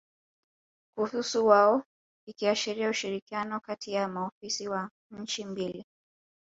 kuhusu wao ikiashiria ushirikiano kati ya maofisa wa nchi mbili